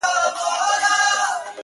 په دې فکر کي خورا په زړه افګار یو-